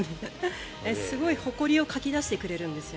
すごいほこりをかき出してくれるんですよ。